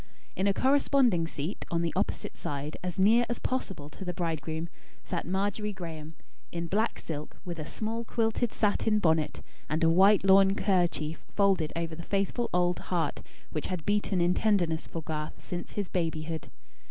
In a corresponding seat, on the opposite side, as near as possible to the bridegroom, sat Margery Graem, in black silk, with a small quilted satin bonnet, and a white lawn kerchief folded over the faithful old heart which had beaten in tenderness for Garth since his babyhood.